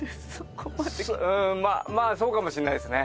うーんまあまあそうかもしれないですね。